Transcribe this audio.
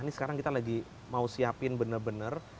ini sekarang kita lagi mau siapin bener bener